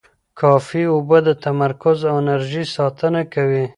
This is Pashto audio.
کافي اوبه د تمرکز او انرژۍ ساتنه کوي.